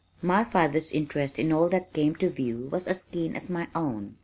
My father's interest in all that came to view was as keen as my own.